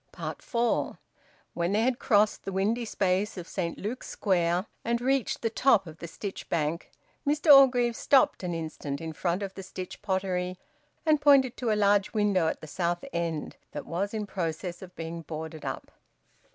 FOUR. When they had crossed the windy space of Saint Luke's Square and reached the top of the Sytch Bank, Mr Orgreave stopped an instant in front of the Sytch Pottery, and pointed to a large window at the south end that was in process of being boarded up.